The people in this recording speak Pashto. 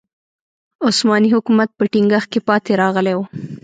عثماني حکومت په ټینګښت کې پاتې راغلی و.